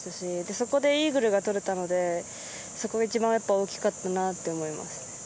そこでイーグルがとれたのでそれが一番大きかったと思います。